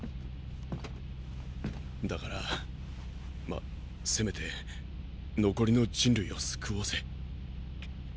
だからまぁせめて残りの人類を救おうぜ。